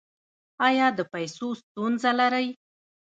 ایا د پیسو ستونزه لرئ؟